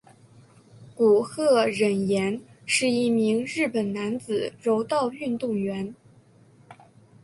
古贺稔彦是一名日本男子柔道运动员。